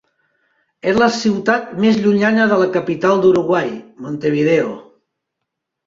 És la ciutat més llunyana de la capital d'Uruguai, Montevideo.